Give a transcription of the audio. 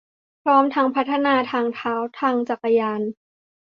พร้อมทั้งพัฒนาทางเท้า ทางจักรยาน